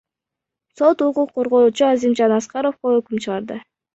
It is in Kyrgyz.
Сот укук коргоочу Азимжан Аскаровго өкүм чыгарды.